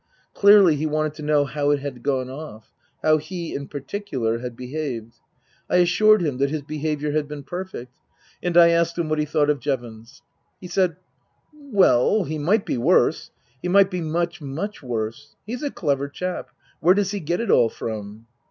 Clearly he wanted to know how it had gone off how he, in particular, had behaved. I assured him that his behaviour had been perfect. And I asked him what he thought of Jevons ? He said, " Well he might be worse. He might be much, much worse. He's a clever chap. Where does he get it all from